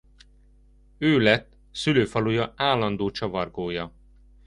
Ő lett szülőfaluja állandó csavargója.